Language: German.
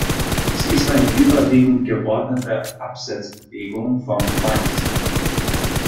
Sie ist eine überwiegend geordnete Absetzbewegung vom Feind.